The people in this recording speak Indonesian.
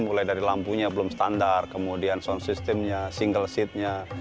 mulai dari lampunya belum standar kemudian sound systemnya single seatnya